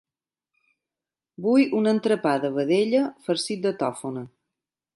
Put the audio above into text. Vull un entrepà de vedella farcit de tòfona.